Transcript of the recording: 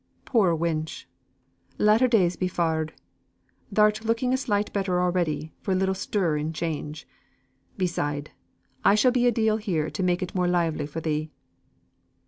"Poor wench! latter days be farred! Thou'rt looking a sight better already for a little stir and change. Beside, I shall be a deal here to make it more lively for thee."